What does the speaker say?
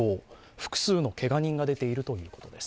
複数のけが人が出ているということです。